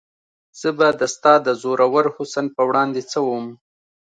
زه به د ستا د زورور حسن په وړاندې څه وم؟